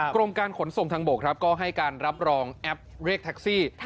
กรมการขนส่งทางบกครับก็ให้การรับรองแอปเรียกแท็กซี่